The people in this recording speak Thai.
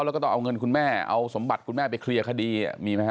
แล้วก็ต้องเอาเงินคุณแม่เอาสมบัติคุณแม่ไปเคลียร์คดีมีไหมฮ